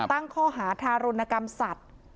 ตั้งข้อหาทารุณกรรมสัตว์